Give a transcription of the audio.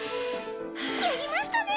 やりましたね